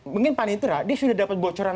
mungkin panitra dia sudah dapat bocoran